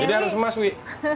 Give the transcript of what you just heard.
jadi harus emas wewe